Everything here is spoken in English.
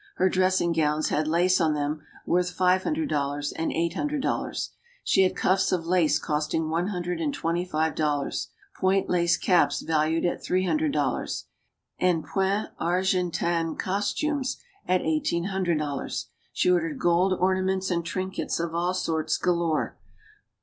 Her dressing gowns had lace on them worth five hundred dollars and eight hundred dollars. She had cuffs of lace costing one hundred and twenty five dollars, point lace caps valued at three hundred dollars, and point Argentan costumes at eighteen hundred dollars. She ordered gold orna ments and trinkets of all sorts galore.